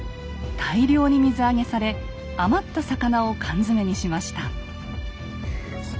大量に水揚げされ余った魚を缶詰にしました。